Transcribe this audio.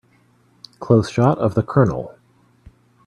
Close shot of the COLONEL.